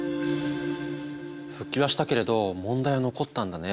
復帰はしたけれど問題は残ったんだね。